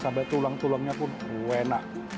sampai tulang tulangnya pun enak